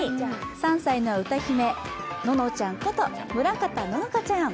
３歳の歌姫、ののちゃんこと村方乃々佳ちゃん。